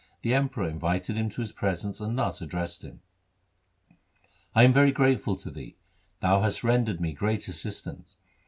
The Emperor in vited him to his presence and thus addressed him —' I am very thankful to thee ; thou hast rendered me great assistance.